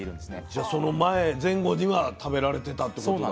じゃその前前後には食べられてたってことだ。